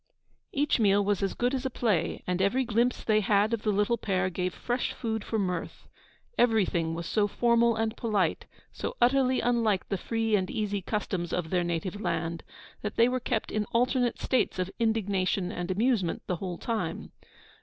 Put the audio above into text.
Each meal was as good as a play, and every glimpse they had of the little pair gave fresh food for mirth. Everything was so formal and polite, so utterly unlike the free and easy customs of their native land, that they were kept in alternate states of indignation and amusement the whole time.